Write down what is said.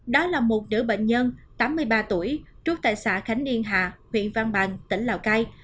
đó là một đứa bệnh nhân tám mươi ba tuổi trúc tại xã khánh yên hà huyện văn bàng tỉnh lào cai